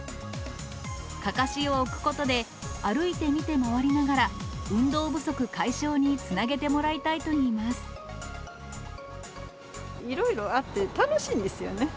かかしを置くことで、歩いて見て回りながら、運動不足解消につなげてもらいたいといいいろいろあって楽しいんですよね。